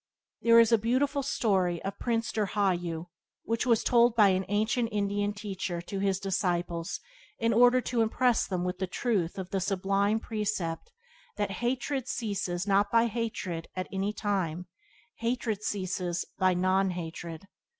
There is a beautiful story of Prince Dirghayu which was told by an ancient Indian teacher to his disciples in order to impress them with the truth of the sublime percept that "hatred ceases not by hatred at any time; hatred ceases by not hatred."